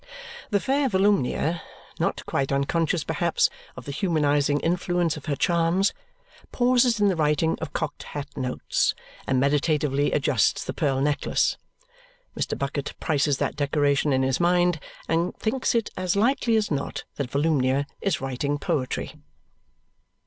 The fair Volumnia, not quite unconscious perhaps of the humanizing influence of her charms, pauses in the writing of cocked hat notes and meditatively adjusts the pearl necklace. Mr. Bucket prices that decoration in his mind and thinks it as likely as not that Volumnia is writing poetry.